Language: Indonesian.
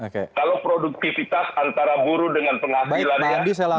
kalau produktivitas antara buruh dengan penghasilannya dengan gajinya itu bisa seimbang